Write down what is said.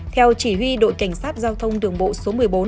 theo chỉ huy đội cảnh sát giao thông đường bộ số một mươi bốn